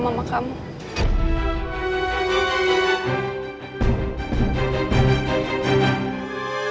kalau aku tetap punya duit